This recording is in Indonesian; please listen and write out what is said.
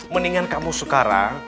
mendingan kamu sekarang